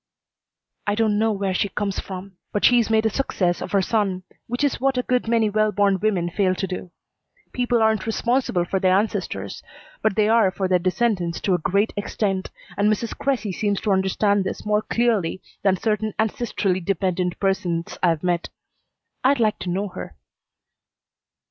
"I don't know where she comes from, but she's made a success of her son, which is what a good many well born women fail to do. People aren't responsible for their ancestors, but they are for their descendants to a great extent, and Mrs. Cressy seems to understand this more clearly than certain ancestrally dependent persons I have met. I'd like to know her."